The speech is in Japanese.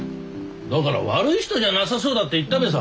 だから悪い人じゃなさそうだって言ったべさ。